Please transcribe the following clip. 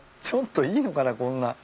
ちょっといいのかな？